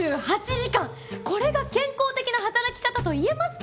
これが健康的な働き方といえますか？